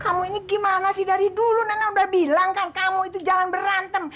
kamu ini gimana sih dari dulu nana udah bilang kan kamu itu jangan berantem